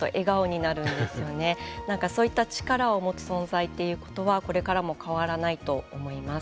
なんかそういった力を持つ存在ということはこれからも変わらないと思います。